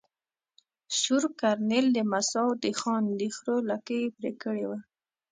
سور کرنېل د مساو د خان د خرو لکې ېې پرې کړي وه.